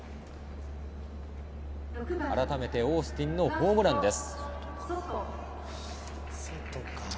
あらためてオースティンのホームランです。